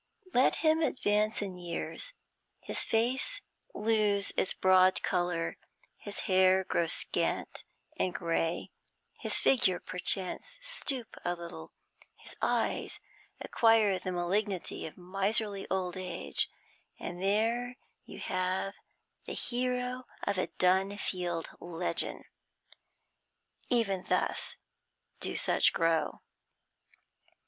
Let him advance in years, his face lose its broad colour, his hair grow scant and grey, his figure, per chance, stoop a little, his eyes acquire the malignity of miserly old age and there you have the hero of a Dunfield legend. Even thus do such grow.